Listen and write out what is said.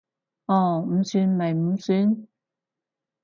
哦，唔算咪唔算